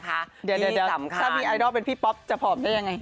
ที่สำคัญเดี๋ยวถ้ามีไอดอลเป็นพี่ป๊อปจะผอมได้ยังไง